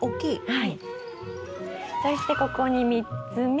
はい。